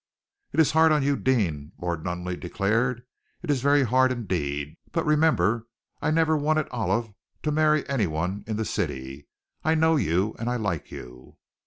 "It is hard on you, Deane," Lord Nunneley declared. "It is very hard indeed. But remember, I never wanted Olive to marry anyone in the city. I know you, and I like you.